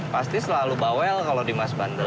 pasti selalu bawel kalau di mas bandel